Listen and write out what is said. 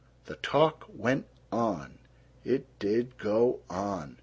The talk went on. It did go on!